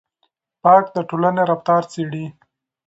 پارک د ټولنې رفتار څېړي.